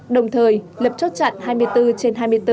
đồng thời lập chốt chặn hai mươi bốn trên hai mươi bốn